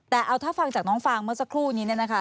แต่เอาถ้าฟังจากน้องฟางเมื่อสักครู่นี้เนี่ยนะคะ